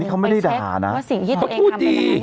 ไปเช็คว่าสิ่งที่ตัวเองทำดีดี